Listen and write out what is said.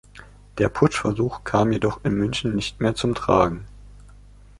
Der Putschversuch kam jedoch in München nicht mehr zum Tragen.